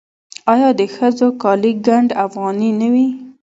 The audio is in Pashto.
آیا د ښځو کالي ګنډ افغاني نه وي؟